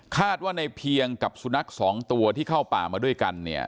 ว่าในเพียงกับสุนัขสองตัวที่เข้าป่ามาด้วยกันเนี่ย